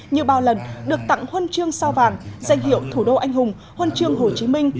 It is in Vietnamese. như bao lần được tặng huân chương sao vàng danh hiệu thủ đô anh hùng huân chương hồ chí minh